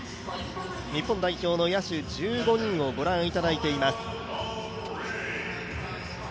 日本代表の野手１５人をご覧いただいています。